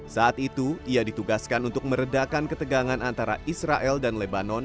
saat itu ia ditugaskan untuk meredakan ketegangan antara israel dan lebanon